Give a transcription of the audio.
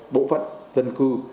bộ phận dân cư